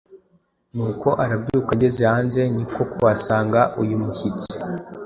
nuko arabyuka ageze hanze niko kuhasanga uyu mushyitsi